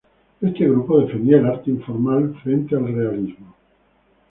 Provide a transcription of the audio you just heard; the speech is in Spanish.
Este grupo defendía el arte informal frente al realismo.